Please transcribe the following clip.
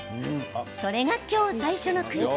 それが今日、最初のクイズ。